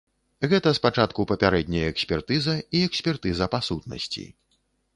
Гэта спачатку папярэдняя экспертыза і экспертыза па сутнасці.